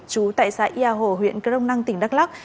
chú tại xã yà hồ huyện crong năng tp đắc lắc